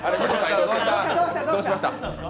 どうしました？